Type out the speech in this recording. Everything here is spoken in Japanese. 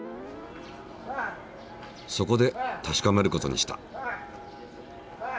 そこで確かめることにした。